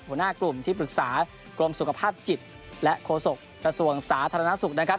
หัวหน้ากลุ่มที่ปรึกษากรมสุขภาพจิตและโฆษกระทรวงสาธารณสุขนะครับ